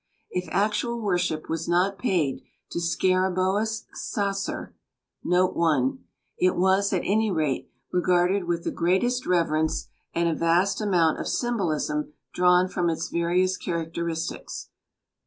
If actual worship was not paid to Scaraboeus Sacer, it was, at any rate, regarded with the greatest reverence and a vast amount of symbolism drawn from its various characteristics."